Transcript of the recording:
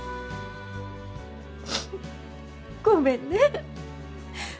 ごめんね。